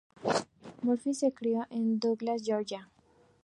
Murphy se crió en Douglas, Georgia.